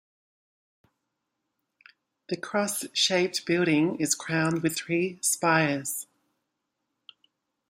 The cross-shaped building is crowned with three spires.